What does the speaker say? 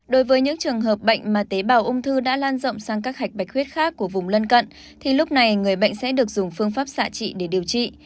đối với những trường hợp bệnh mà tế bào ung thư đã lan rộng sang các hạch bạch huyết khác của vùng lân cận thì lúc này người bệnh sẽ được dùng phương pháp xạ trị để điều trị